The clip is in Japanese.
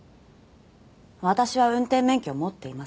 私は運転免許を持っていません。